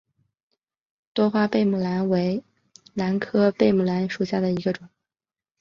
多花贝母兰为兰科贝母兰属下的一个种。